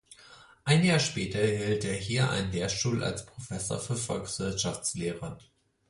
Ein Jahr später erhielt er hier einen Lehrstuhl als Professor für Volkswirtschaftslehre.